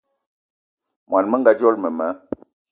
Món menga dzolo mema